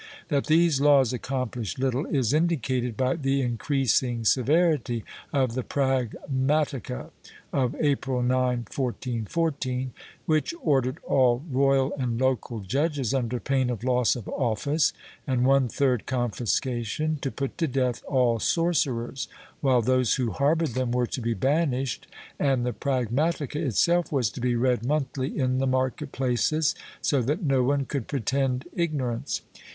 ^ That these laws accomplished little is indicated by the increasing severity of the pragmiitica of April 9, 1414, which ordered all royal and local judges, under pain of loss of office and one third confiscation, to put to death all sorcerers, while those who harbored them were to be banished and the prag matica itself was to be read monthly in the market places so that no one could pretend ignorance.'